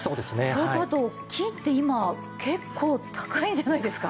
それとあと金って今結構高いんじゃないですか？